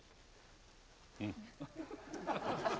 うん。